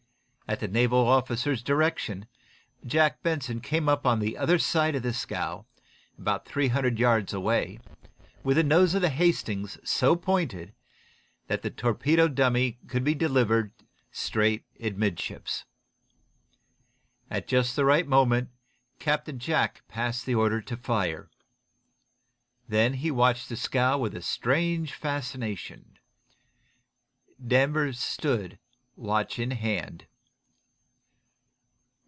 At the naval officer's direction Jack Benson came up on the other side of the scow, about three hundred yards away, with the nose of the "Hastings" so pointed that the torpedo dummy could be delivered straight amidships. At just the right moment Captain Jack passed the order to fire. Then he watched the scow with a strange fascination. Danvers stood, watch in hand.